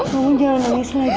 masa ke rumah sakit sekarang